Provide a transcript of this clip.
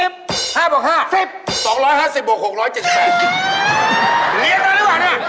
๒๕๐บวก๖๗๘เรียนหน่อยดีกว่านะ